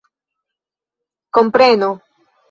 kompreno